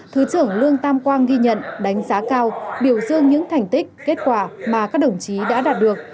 thứ trưởng lương tam quang ghi nhận đánh giá cao biểu dương những thành tích kết quả mà các đồng chí đã đạt được